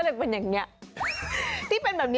ที่รูชลนี้จนกว่านี้ก็เลยเป็นแบบนี้